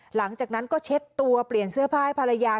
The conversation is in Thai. หลังจากนั้นก็เช็ดตัวเปลี่ยนเสื้อผ้าให้ภรรยา